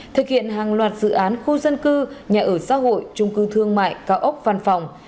thực hiện hàng loạt dự án khu dân cư nhà ở xã hội trung cư thương mại cao ốc văn phòng